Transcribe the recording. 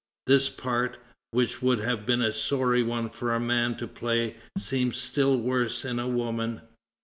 This part, which would have been a sorry one for a man to play, seems still worse in a woman.